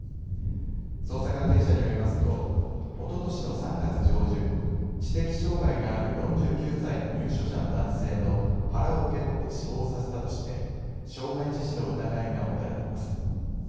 捜査関係者によりますとおととしの３月上旬、知的障害がある４９歳の入所者の男性の腹を蹴って死亡させたとして傷害致死の疑いが持たれています。